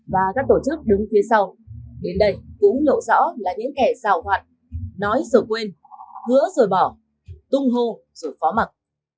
và các tổ chức đứng phía sau đến đây cũng lộ rõ là những kẻ rào hoạt nói rồi quên hứa rồi bỏ tung hô rồi phó mặt